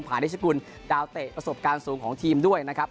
นิชกุลดาวเตะประสบการณ์สูงของทีมด้วยนะครับ